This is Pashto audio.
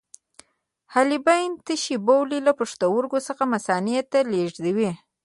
حالبین تشې بولې له پښتورګو څخه مثانې ته لیږدوي.